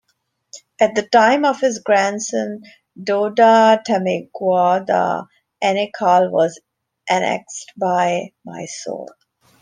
At the time of his grandson Dodda ThimmeGowda, Anekal was annexed by Mysore.